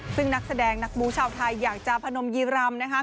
ซึ่งนักแสดงนักบูชาวไทยอยากจะพนมยีรำนะคะ